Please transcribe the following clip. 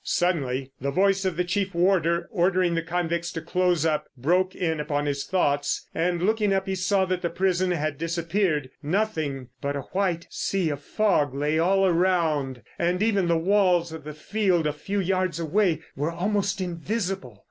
Suddenly the voice of the chief warder ordering the convicts to close up broke in upon his thoughts, and looking up he saw that the prison had disappeared—nothing but a white sea of fog lay all around, and even the walls of the field a few yards away were almost invisible!